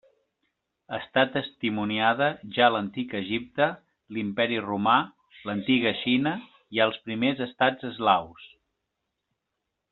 Està testimoniada ja a l'antic Egipte l'Imperi Romà l'antiga Xina i als primers estats eslaus.